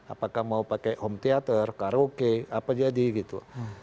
apakah mau pakai home teater karaoke apa jadi gitu